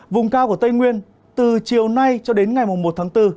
vùng cao của tây nguyên từ chiều nay cho đến ngày một tháng bốn